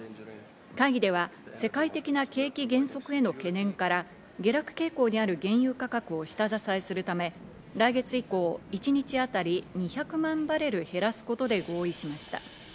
会議では世界的な景気減速への懸念から下落傾向にある原油価格を下支えするため来月以降、１日当たり２００万バレル減らすことで合意しました。